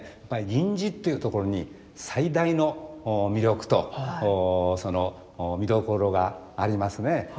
銀地っていうところに最大の魅力と見どころがありますね。